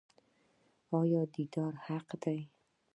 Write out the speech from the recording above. آیا دیدار حق دی؟